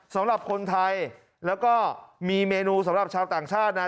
สำหรับคนไทยแล้วก็มีเมนูสำหรับชาวต่างชาตินะ